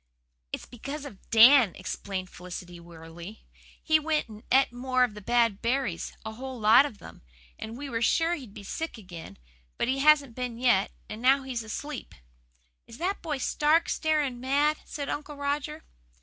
"It's because of Dan," explained Felicity wearily. "He went and et more of the bad berries a whole lot of them and we were sure he'd be sick again. But he hasn't been yet, and now he's asleep." "Is that boy stark, staring mad?" said Uncle Roger.